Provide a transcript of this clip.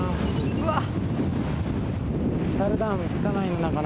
「うわっ」